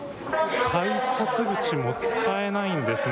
改札口も使えないんですね。